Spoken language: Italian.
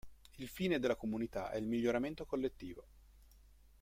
Il fine della comunità è il miglioramento collettivo.